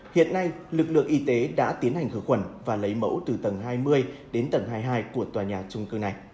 hiện nay lực lượng y tế đã tiến hành khử khuẩn và lấy mẫu từ tầng hai mươi đến tầng hai mươi hai của tòa nhà trung cư này